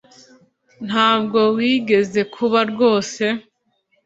ntabwo wigeze kuba rwose.